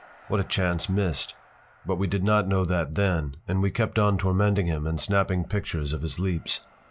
What a chance missed! But we did not know that then, and we kept on tormenting him and snapping pictures of his leaps.